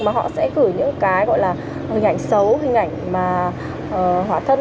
mà họ sẽ gửi những cái gọi là hình ảnh xấu hình ảnh mà hỏa thân